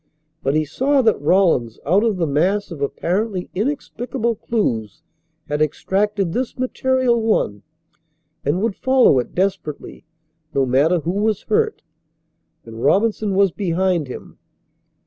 But he saw that Rawlins out of the mass of apparently inexplicable clues had extracted this material one and would follow it desperately no matter who was hurt; and Robinson was behind him.